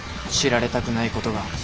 知られたくないことが。